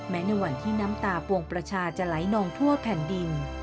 ในวันที่น้ำตาปวงประชาจะไหลนองทั่วแผ่นดิน